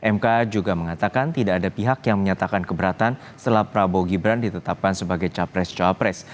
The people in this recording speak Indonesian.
mk juga mengatakan tidak ada pihak yang menyatakan keberatan setelah prabowo gibran ditetapkan sebagai capres cawapres